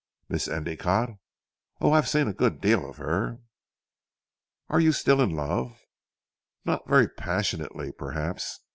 "Miss Endicotte? Oh, I have seen a good deal of her." "And you are still in love?" "Not very passionately perhaps.